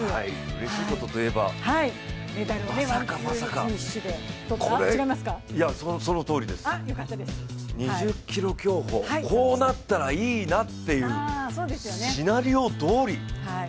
うれしいことといえばまさかまさか、２０ｋｍ競歩、こうなったらいいなっていうシナリオどおり。